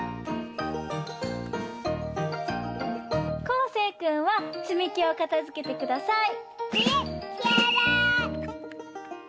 こうせいくんはつみきをかたづけてください。